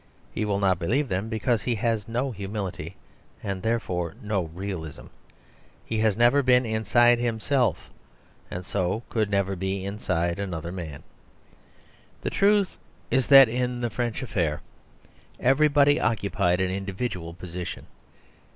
He will not believe them because he has no humility, and therefore no realism. He has never been inside himself; and so could never be inside another man. The truth is that in the French affair everybody occupied an individual position.